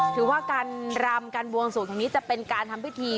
ถือว่าการรำการบวงสวงครั้งนี้จะเป็นการทำพิธี